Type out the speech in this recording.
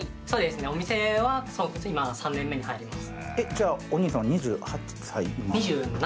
お店は３年目に入ります。